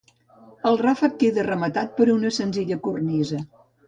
El ràfec queda rematat per una senzilla cornisa.